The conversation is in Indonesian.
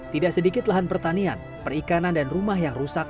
tidak sedikit lahan pertanian perikanan dan rumah yang rusak